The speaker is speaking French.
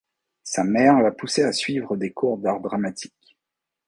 Sa mère l'a poussé à suivre des cours d'art dramatique.